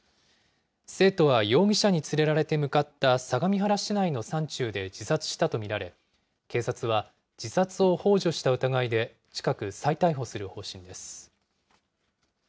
生徒は容疑者に連れられて向かった相模原市内の山中で自殺したと見られ、警察は自殺をほう助した疑いで近く、再逮捕する方針です。